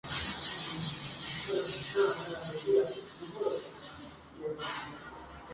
Por favor, permanezcan pacientes y pronto habrá más noticias interesantes.